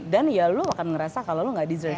dan ya lo akan ngerasa kalau lo gak deserve